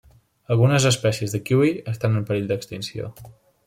Algunes espècies de kiwi estan en perill d'extinció.